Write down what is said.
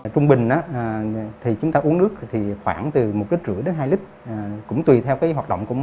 trung bình thì chúng ta uống nước thì khoảng từ một cái rưỡi đến hai lít cũng tùy theo cái hoạt động của mình